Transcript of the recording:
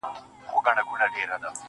ستا د طور رڼا زموږ لپاره نه ده